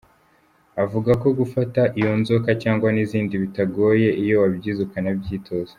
Avuga ko gufata iyo nzoka cyangwa n’izindi bitagoye iyo wabyize ukanabyitoza.